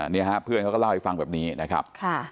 นี่ฮะเพื่อนเขาก็เล่าให้ฟังแบบนี้นะครับ